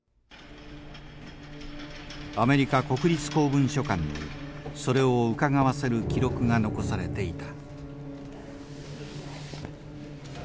アメリカ国立公文書館にそれを伺わせる記録が残されていた。